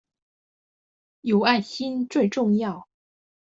有愛心最重要